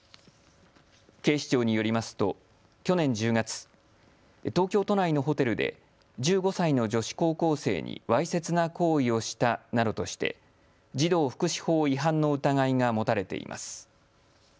警視庁によりますと去年１０月、東京都内のホテルで１５歳の女子高校生にわいせつな行為をしたなどとして児童福祉法違反の疑いが持たれています。